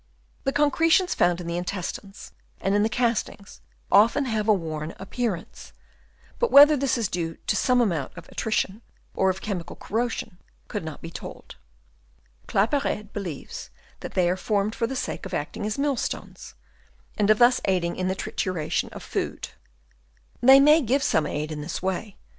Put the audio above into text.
The concretions found in the intestines and in the castings often have a worn appearance, but whether this is due to some amount of attrition or of chemical corrosion could not be told. Claparede believes that they are formed for the sake of acting as mill stones, and of thus aiding in the trituration of the food. They may give some aid in this way ;* M. Foster, ut sup. p.